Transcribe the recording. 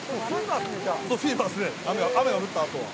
雨が降ったあとは。